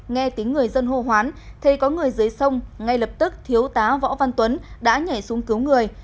nghe tiếng người dân hô hoán thấy có người dưới sông ngay lập tức thiếu tá võ văn tuấn đã nhảy xuống cứu người